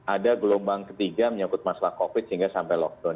ada gelombang ketiga menyangkut masalah covid sehingga sampai lockdown